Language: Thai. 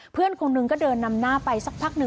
เพื่อนคนหนึ่งก็เดินนำหน้าไปสักพักหนึ่ง